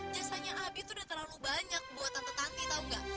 biasanya abi tuh udah terlalu banyak buat tante tante tau gak